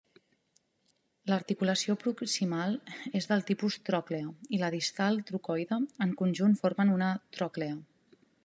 L'articulació proximal és del tipus tròclea i la distal trocoide, en conjunt formen una tròclea.